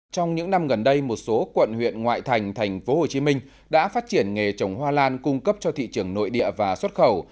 trong những năm gần đây một số quận huyện ngoại thành thành phố hồ chí minh đã phát triển nghề trồng hoa lan cung cấp cho thị trường nội địa và xuất khẩu